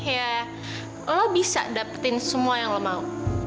ya lo bisa dapetin semua yang lo mau